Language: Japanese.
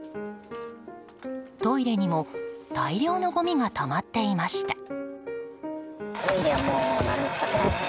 トイレにも、大量のごみがたまっていました。